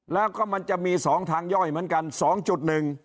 แล้วก็มันจะมี๒ทางย่อยเหมือนกัน